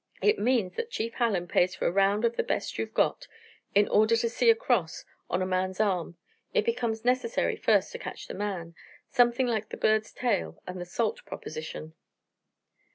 "It means that Chief Hallen pays for a round of the best you've got. In order to see a cross on a man's arm it becomes necessary first to catch the man something like the bird's tail and the salt proposition."